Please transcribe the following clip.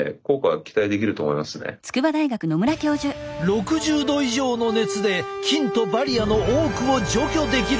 ６０℃以上の熱で菌とバリアの多くを除去できるという。